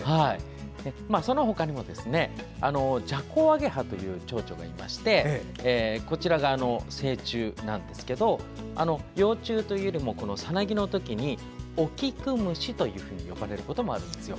その他にもジャコウアゲハというチョウチョがいましてこちらが成虫なんですけども幼虫というか、さなぎの時にオキクムシというふうに呼ばれることもあるんです。